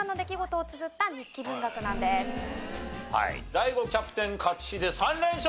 ＤＡＩＧＯキャプテン勝ちで３連勝！